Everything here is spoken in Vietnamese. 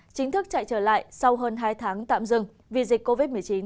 chính thức chạy trở lại sau hơn hai tháng tạm dừng vì dịch covid một mươi chín